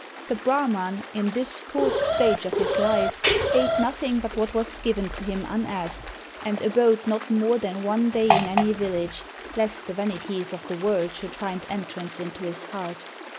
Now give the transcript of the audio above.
The Brahman, in this fourth stage of his life, ate nothing but what was given to him unasked, and abode not more than one day in any village, lest the vanities of the world should find entrance into his heart.